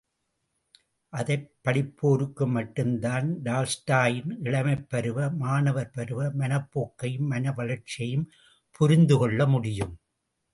அதைப் படிப்போருக்கு மட்டும்தான்்டால்ஸ்டாயின் இளமைப்பருவ, மாணவர் பருவ மனப்போக்கையும், மன வளர்ச்சியையும் புரிந்து கொள்ள முடியும்.